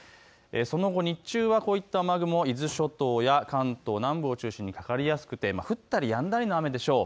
その後日中はこういった雨雲が伊豆諸島や関東南部を中心にかかりやすくて降ったりやんだりの雨でしょう。